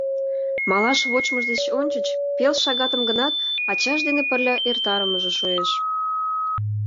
Малаш вочмыж деч ончыч пел шагатым гынат ачаж дене пырля эртарымыже шуэш.